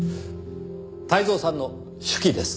泰造さんの手記です。